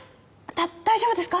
⁉だ大丈夫ですか？